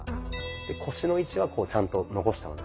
腰の位置はちゃんと残したままです。